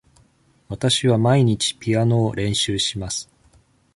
わたしは毎日ピアノを練習します。